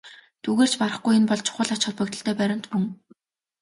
Түүгээр ч барахгүй энэ бол чухал ач холбогдолтой баримт мөн.